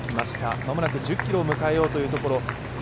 間もなく１０ｋｍを迎えようというところ。